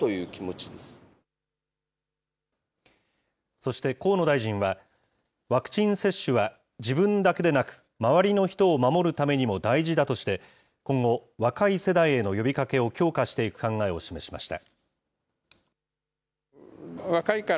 そして、河野大臣は、ワクチン接種は自分だけでなく、周りの人を守るためにも大事だとして、今後、若い世代への呼びかけを強化していく考えを示しました。